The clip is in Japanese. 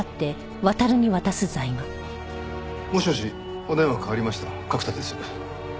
もしもしお電話代わりました角田です。